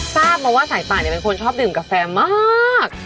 ทราบมาว่าสายป่าเป็นคนชอบดื่มกาแฟมาก